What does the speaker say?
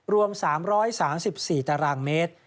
รวม๓๓๔ตารางเมตร